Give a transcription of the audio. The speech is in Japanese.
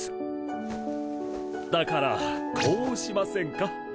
だからこうしませんか？